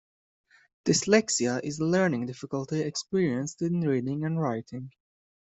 Dyslexia is a learning difficulty experienced in reading and writing.